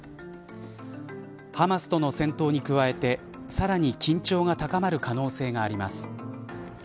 ハマスとの戦闘に加えてさらに緊張が高まる可能性があります。